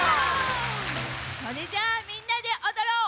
それじゃあみんなでおどろう！